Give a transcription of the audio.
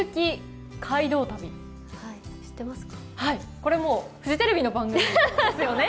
これもフジテレビの番組ですよね。